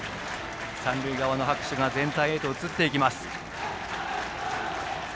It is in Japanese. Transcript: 三塁側の拍手が全体へと移っていきます。